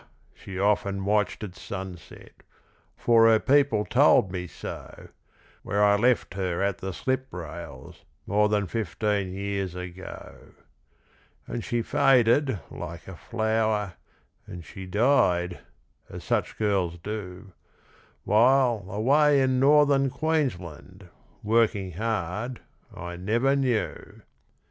she often watched at sunset For her people told me so Where I left her at the slip rails More than fifteen years ago. And she faded like a flower, And she died, as such girls do, While, away in Northern Queensland, Working hard, I never knew.